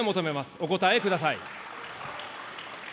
お答えください。